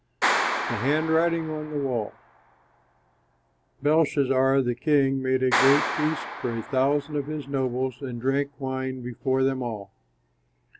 THE HANDWRITING ON THE WALL Belshazzar, the king, made a great feast for a thousand of his nobles and drank wine before them all.